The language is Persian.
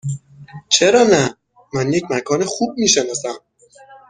چرا نه؟ من یک مکان خوب می شناسم.